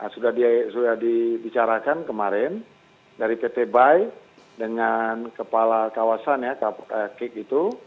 sudah dibicarakan kemarin dari pt bai dengan kepala kawasan ya kick itu